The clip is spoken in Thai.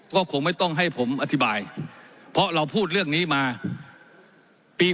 ก็คงไม่ต้องให้ผมอธิบายเพราะเราพูดเรื่องนี้มาปี๒๕